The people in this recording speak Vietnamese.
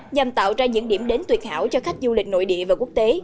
nhằm tạo ra những điểm đến tuyệt hảo cho khách du lịch nội địa và quốc tế